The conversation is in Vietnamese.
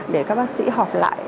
để các bác sĩ họp lại